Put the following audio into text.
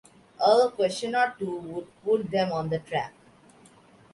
A question or two would put them on the track.